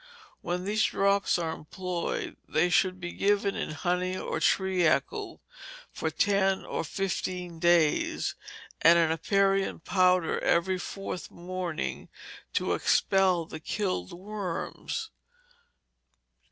When these drops are employed, they should be given in honey or treacle for ten or fifteen days, and an aperient powder every fourth morning, to expel the killed worms.